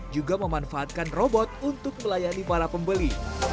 juga memanfaatkan robot untuk melayani para pembeli